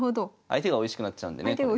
相手がおいしくなっちゃう。